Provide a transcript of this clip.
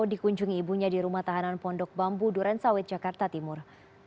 dikunjungi ibunya di rumah tahanan pondok bambu duren sawit jakarta timur